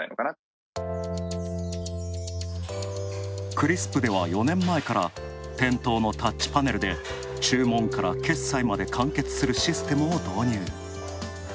ＣＲＩＳＰでは４年前から店頭のタッチパネルで注文から決済まで完結するシステムを導入。